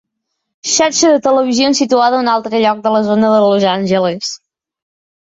Xarxa de televisions situada en un altre lloc de la zona de Los Angeles.